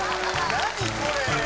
何これ？